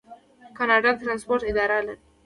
کاناډا د ټرانسپورټ اداره لري.